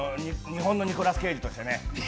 日本のニコラス・ケイジとしてね。